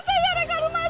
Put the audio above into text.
kiri bang kiri bang